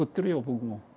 僕も。